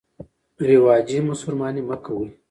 رواجي مسلماني مه کوئ.